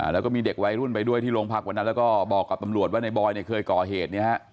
แล้วก็มีเด็กวัยรุ่นไปด้วยที่โรงพักวันนั้นแล้วก็บอกกับตำรวจว่าในบอยเคยก่อเหตุ